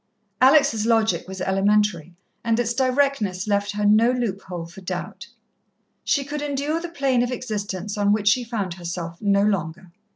Alex' logic was elementary, and its directness left her no loophole for doubt. She could endure the plane of existence on which she found herself no longer.